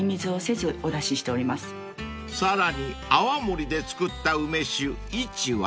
［さらに泡盛で造った梅酒壱は］